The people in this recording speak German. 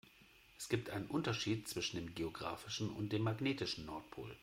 Es gibt einen Unterschied zwischen dem geografischen und dem magnetischen Nordpol.